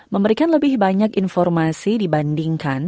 memberikan lebih banyak informasi dibandingkan